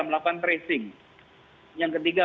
melakukan tracing yang ketiga